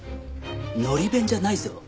のり弁じゃないぞ？